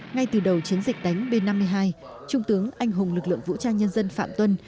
ngay từ đầu chiến dịch đánh b năm mươi hai trung tướng anh hùng lực lượng vũ trang nhân dân phạm tuân